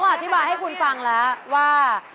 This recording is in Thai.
อธิบายให้คุณฟังแล้วว่า